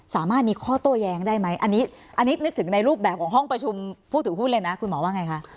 สามารถมีข้อโต้แย้งได้ไหมอันนี้นึกถึงในรูปแบบของห้องประชุมผู้ถือหุ้นเลยนะคุณหมอว่าไงคะ